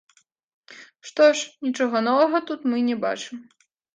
Што ж, нічога новага тут мы не бачым.